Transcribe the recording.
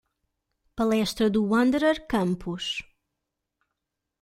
Palestra do Wanderer Campus